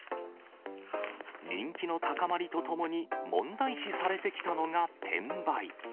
人気の高まりとともに問題視されてきたのが転売。